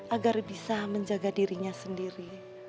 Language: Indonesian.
agar bisa menjaga dirinya sendiri